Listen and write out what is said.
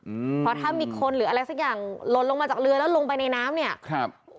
อืมเพราะถ้ามีคนหรืออะไรสักอย่างหล่นลงมาจากเรือแล้วลงไปในน้ำเนี้ยครับ